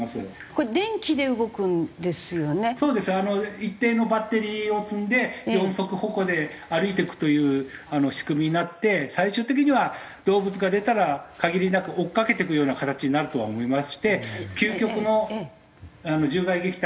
一定のバッテリーを積んで４足歩行で歩いていくという仕組みになって最終的には動物が出たら限りなく追っかけていくような形になるとは思いまして究極の獣害撃退になると思います。